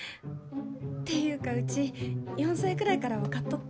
ていうかうち４歳くらいから分かっとった。